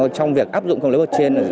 trong việc áp dụng công lý blockchain